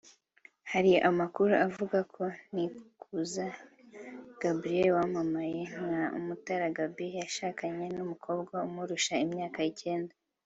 Hari amakuru avuga ko Nikuze Gabriel wamamaye nka Umutare Gaby yashakanye n’umukobwa umurusha imyaka icyenda